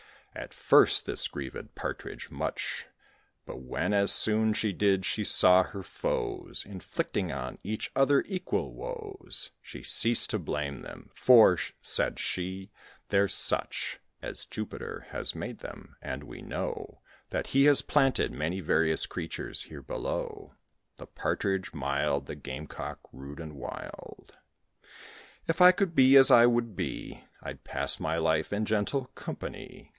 At first, this grieved the Partridge much; But when, as soon she did, she saw her foes Inflicting on each other equal woes, She ceased to blame them; "For," said she, "they're such As Jupiter has made them; and we know That he has planted many various creatures here below: The Partridge, mild; the Game cock, rude and wild. If I could be as I would be, I'd pass my life in gentle company.